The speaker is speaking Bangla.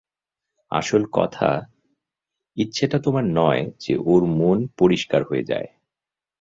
আসল কথা, ইচ্ছেটা তোমার নয় যে ওর মন পরিষ্কার হয়ে যায়।